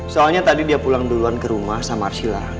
soalnya tadi dia pulang duluan ke rumah sama arsila